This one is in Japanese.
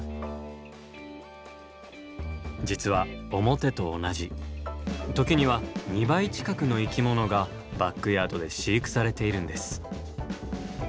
実は表と同じ時には２倍近くの生き物がバックヤードで飼育されているんです。